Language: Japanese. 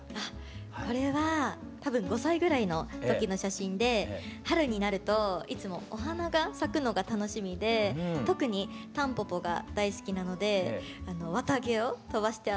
これは多分５歳ぐらいの時の写真で春になるといつもお花が咲くのが楽しみで特にタンポポが大好きなので綿毛を飛ばして遊ぶのが好きでした。